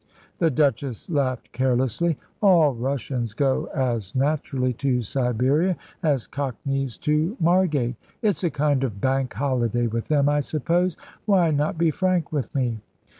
The Duchess laughed carelessly. "All Russians go as naturally to Siberia as cockneys to Margate. It's a kind of Bank Holiday with them, I suppose. Why not be frank with me?"